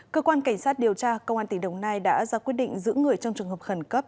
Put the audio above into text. cơ quan cảnh sát điều tra công an tỉnh đồng nai đã ra quyết định giữ người trong trường hợp khẩn cấp